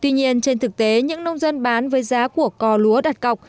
tuy nhiên trên thực tế những nông dân bán với giá của cò lúa đặt cọc